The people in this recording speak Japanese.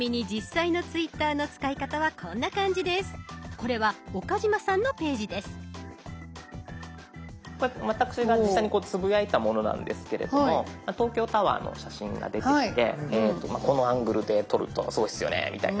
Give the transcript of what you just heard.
これは私が実際につぶやいたものなんですけれども東京タワーの写真が出てきてこのアングルで撮るとすごいっすよねみたいな。